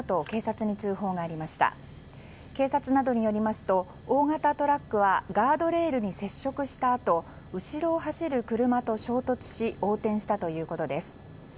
警察などによりますと大型トラックはガードレールに接触したあと後ろを走る車と衝突し横転したということです。